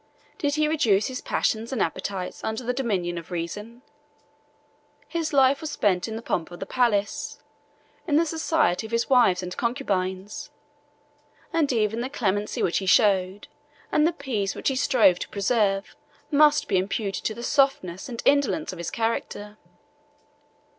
Did he reduce his passions and appetites under the dominion of reason? His life was spent in the pomp of the palace, in the society of his wives and concubines; and even the clemency which he showed, and the peace which he strove to preserve, must be imputed to the softness and indolence of his character.